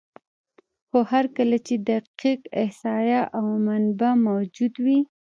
خو هر کله چې دقیق احصایه او منابع موجود وي،